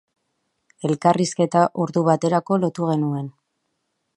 Elkarrizketa ordu baterako lotu genuen.